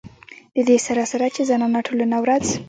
د دې سره سره چې زنانه ټوله ورځ